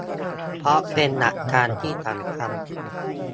เพราะเป็นหลักการที่สำคัญ